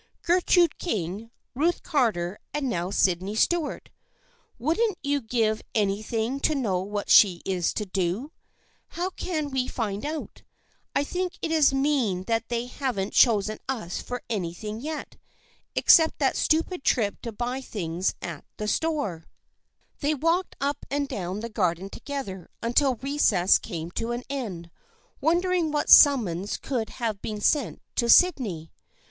Gertrude King, Ruth Carter and now Sydney Stuart. Wouldn't you give any thing to know what she is to do ? How can we find out ? I think it is mean that they haven't chosen us for anything yet, except that stupid trip to buy things at the store." T6 THE FEIENDSHIP OF ANNE They walked up and down the garden together until recess came to an end, wondering what sum mons could have been sent to Sydney.